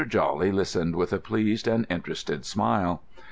Jawley listened with a pleased and interested smile.